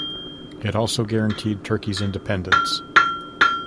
It also guaranteed Turkey's independence.